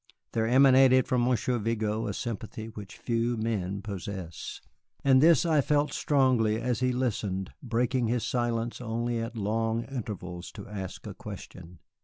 There emanated from Monsieur Vigo a sympathy which few men possess, and this I felt strongly as he listened, breaking his silence only at long intervals to ask a question.